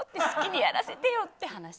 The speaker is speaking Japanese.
好きにやらせてよって話。